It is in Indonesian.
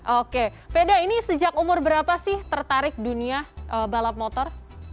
oke peda ini sejak umur berapa sih tertarik dunia balap motor